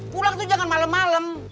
pulang tuh jangan malem malem